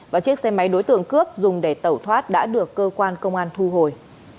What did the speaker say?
và chiếc xe máy đối tượng cướp dùng để tẩu thoát đã được cơ quan công an thu hồi